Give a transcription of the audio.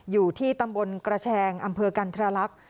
อยู่ที่ตำบลกระแชงอำเภอกันทรลักษณ์